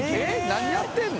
何やってるの？